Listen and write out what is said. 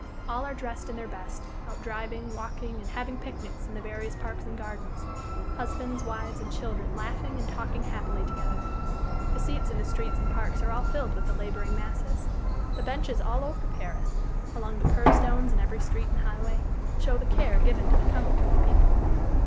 All are dressed in their best, out driving, walking, and having picnics in the various parks and gardens; husbands, wives, and children laughing and talking happily together. The seats in the streets and parks are all filled with the laboring masses. The benches all over Paris along the curbstones in every street and highway show the care given to the comfort of the people.